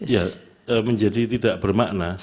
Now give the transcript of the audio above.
ya menjadi tidak bermakna